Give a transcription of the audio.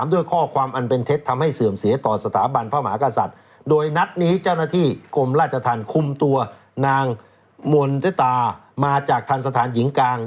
ด้วยข้อความอันเป็นเท็จทำให้เสื่อมเสียต่อสถาบันพระมหากษัตริย์โดยนัดนี้เจ้าหน้าที่กรมราชธรรมคุมตัวนางมนตตามาจากทันสถานหญิงกลาง